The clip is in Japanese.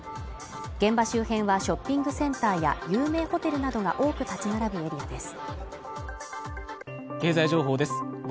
現場周辺はショッピングセンターや有名ホテルなどが多く建ち並ぶエリアです。